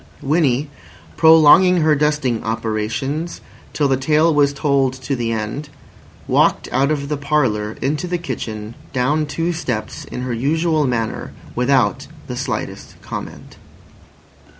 Winnie, prolonging her dusting operations till the tale was told to the end, walked out of the parlour into the kitchen (down two steps) in her usual manner, without the slightest comment.